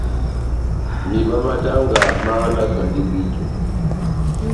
Mihiba má danga máhanakandi bwíto.